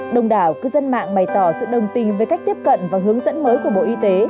đồng đảo cư dân mạng bày tỏ sự đồng tình với cách tiếp cận và hướng dẫn mới của bộ y tế